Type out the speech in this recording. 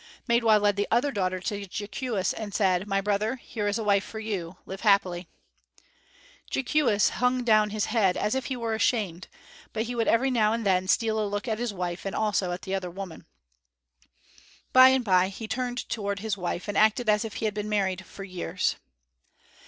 Maidwa led the other daughter to Jeekewis and said, "My brother, here is a wife for you. Live happily." Jeekewis hung down his head as if he were ashamed, but he would every now and then steal a look at his wife and also at the other women. By and by he turned toward his wife and acted as if he had been married for years.